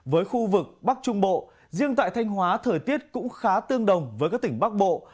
với khu vực bắc trung bộ riêng tại thanh hóa thời tiết cũng khá tương đồng với các tỉnh bắc bộ